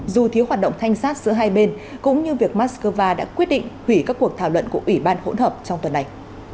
dù thiếu hoạt động thanh sát giữa hai bên cũng như việc moscow đã quyết định hủy các cuộc thảo luận của ủy ban hỗn hợp trong tuần này